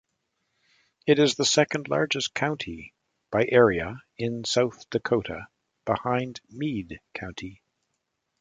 It is the second-largest county by area in South Dakota, behind Meade County.